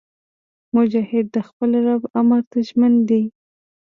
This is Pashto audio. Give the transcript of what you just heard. مجاهد د خپل رب امر ته ژمن دی.